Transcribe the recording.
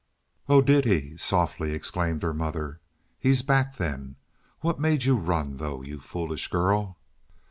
"Oh, did he?" softly exclaimed her mother. "He's back then. What made you run, though, you foolish girl?"